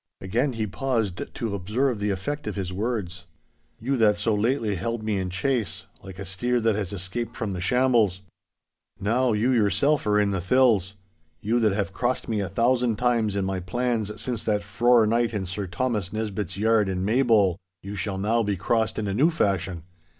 Again he pauses to observe the effect of his words. 'You that so lately held me in chase, like a steer that has escaped from the shambles. Now you yourself are in the thills. You that have crossed me a thousand times in my plans since that frore night in Sir Thomas Nesbitt's yard in Maybole, you shall now be crossed in a new fashion.